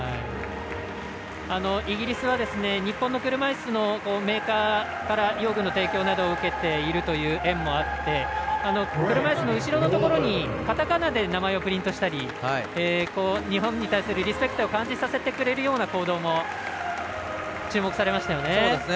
イギリスが日本の車いすのメーカーから用具の提供などを受けている縁もあって車いすの後ろのところにカタカナで名前をプリントしたり日本に対するリスペクトを感じさせてくれるような行動も注目されましたよね。